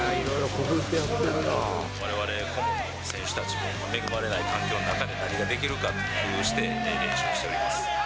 われわれ顧問も選手たちも、恵まれない環境の中で何ができるかって工夫して練習しております。